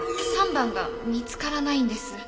３番が見つからないんです。